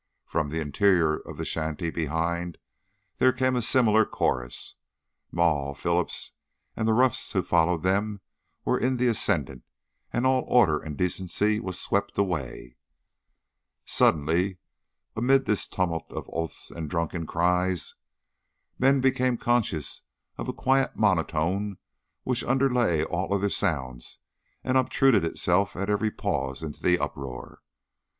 From the interior of the shanty behind there came a similar chorus. Maule, Phillips, and the roughs who followed them were in the ascendant, and all order and decency was swept away. Suddenly, amid this tumult of oaths and drunken cries, men became conscious of a quiet monotone which underlay all other sounds and obtruded itself at every pause in the uproar.